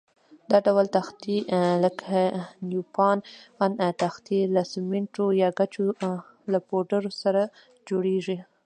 دا ډول تختې لکه نیوپان تختې له سمنټو یا ګچو له پوډر سره جوړېږي.